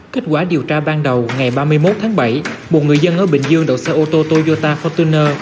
kết quả điều tra ban đầu ngày ba mươi một tháng bảy một người dân ở bình dương đậu xe ô tô toyota fortuner